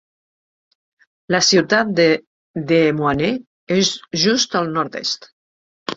La ciutat de Des Moines és just al nord-est.